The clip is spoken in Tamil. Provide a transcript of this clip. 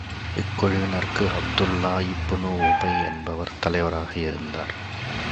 இக்குழுவினருக்கு அப்துல்லாஹ் இப்னு உபை என்பவர் தலைவராக இருந்தார்.